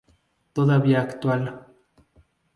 Todavía actual.